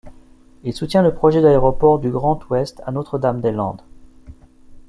Il soutient le projet d'aéroport du Grand Ouest à Notre-Dame-des-Landes.